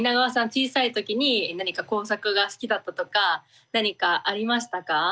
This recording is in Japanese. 小さい時に何か工作が好きだったとか何かありましたか？